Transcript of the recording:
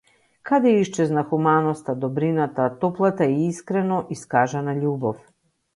Каде исчезна хуманоста, добрината, топлата и искрено искажана љубов?